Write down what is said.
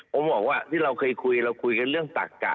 ผมบอกว่าที่เราเคยคุยเราคุยกันเรื่องตักกะ